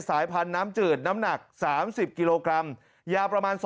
สายพันธุ์น้ำจืดน้ำหนัก๓๐กิโลกรัมยาวประมาณ